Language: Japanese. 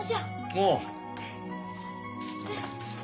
おう。